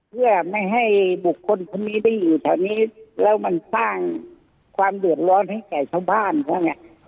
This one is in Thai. เพื่อไม่ให้บุคคลคนนี้ได้อยู่แถวนี้แล้วมันสร้างความเดือดร้อนให้แก่ชาวบ้านเขาไง